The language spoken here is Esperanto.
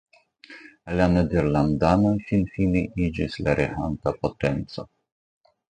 La nederlandanoj finfine iĝis la reganta potenco.